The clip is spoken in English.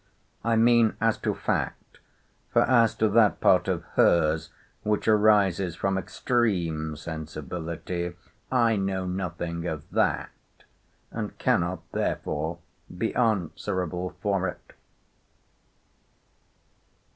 I mean as to fact; for as to that part of her's, which arises from extreme sensibility, I know nothing of that; and cannot therefore be answerable for it.